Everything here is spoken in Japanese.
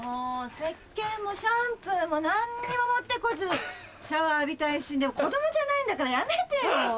せっけんもシャンプーも何も持ってこずシャワー浴びたい一心で子供じゃないんだからやめてよ。